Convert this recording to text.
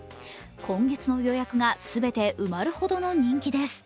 今月の予約が全て埋まるほどの人気です。